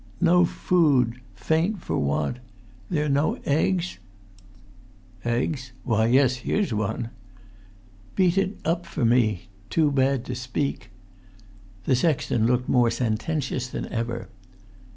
"No food ... faint for want ... there no eggs?" "Eggs? Why, yes, here's one." "Beat up for me ... too bad to speak." The sexton looked more sententious than ever.